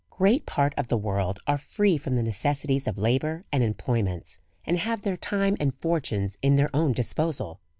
GREAT part of the world are free from the neces sities of labour and employments, and have their time and fortunes in their own disposal.